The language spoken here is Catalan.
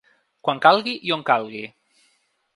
Quan calgui i on calgui.